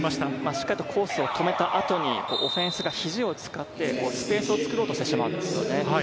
しっかりコースを止めたあとにオフェンスが肘を使って、スペースを作ろうとしてしまうんですよね。